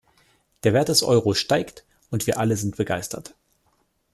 Der Wert des Euro steigt und wir alle sind begeistert.